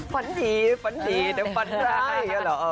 ฝันดีฝันดีไม่ฝันได้